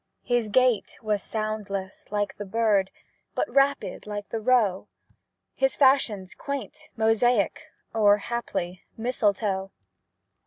His gait was soundless, like the bird, But rapid, like the roe; His fashions quaint, mosaic, Or, haply, mistletoe.